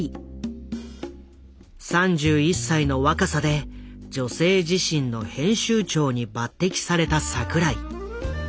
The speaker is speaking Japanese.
３１歳の若さで「女性自身」の編集長に抜擢された櫻井。